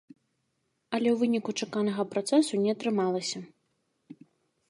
Але ў выніку чаканага працэсу не атрымалася.